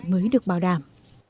mới được bảo đảm